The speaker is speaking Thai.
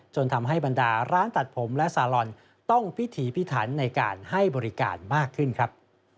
จนทำให้บรรดาร้านตัดผมและซาลอนต้องพิถีพิถันในการให้บริการมากขึ้นครับ